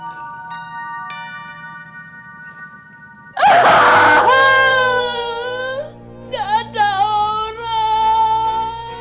gak ada orang